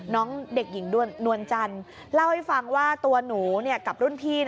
น้องเด็กหญิงนวลจันทร์เล่าให้ฟังว่าตัวหนูกับรุ่นพี่